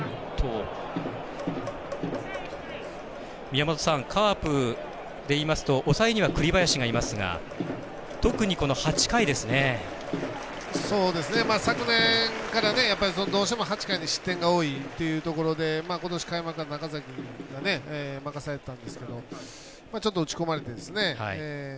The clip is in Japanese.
宮本さん、カープでいいますと抑えには栗林がいますが昨年からどうしても８回に失点が多いというところでことし開幕が中崎が任されていたんですけどちょっと打ち込まれてですね。